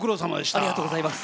ありがとうございます。